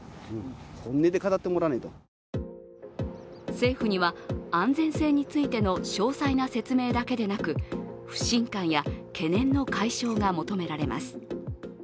政府には安全性についての詳細な説明だけでなく、不信感や懸念の解消が求められます。